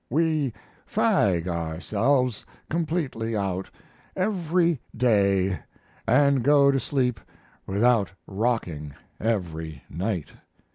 We fag ourselves completely out every day and go to sleep without rocking every night.